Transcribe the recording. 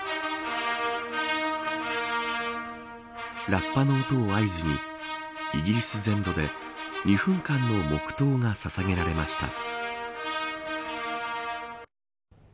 ラッパの音を合図にイギリス全土で、２分間の黙とうがささげられました。